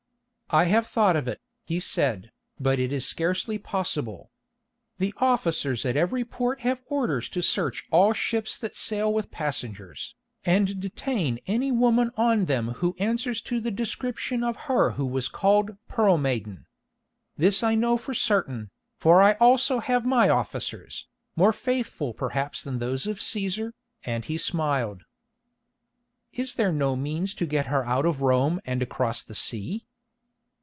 "I have thought of it," he said, "but it is scarcely possible. The officers at every port have orders to search all ships that sail with passengers, and detain any woman on them who answers to the description of her who was called Pearl Maiden. This I know for certain, for I also have my officers, more faithful perhaps than those of Cæsar," and he smiled. "Is there then no means to get her out of Rome and across the sea?"